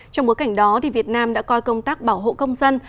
trong bối cảnh đó việt nam đã coi công tác bảo hộ công dân